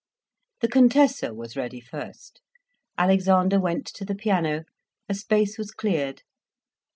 The Contessa was ready first, Alexander went to the piano, a space was cleared.